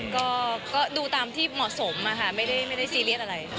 ก็ก็ดูตามที่เหมาะสมอ่ะค่ะไม่ได้ไม่ได้ซีเรียสอะไร